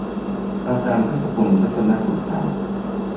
อาจารย์ทศพล ทรรศนกุลพันธ์